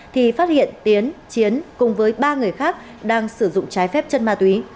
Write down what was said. thì phát hiện tiến chiến cùng với ba người khác đang sử dụng trái phép chân ma túy